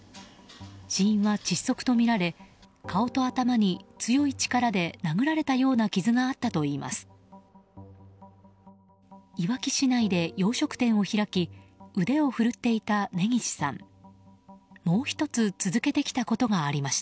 死因は窒息とみられ顔と頭に強い力で殴られたような傷があったといいます。